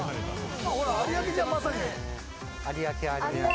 有明じゃん、まさに。